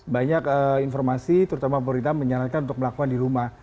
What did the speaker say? banyak informasi terutama pemerintah menyarankan untuk melakukan di rumah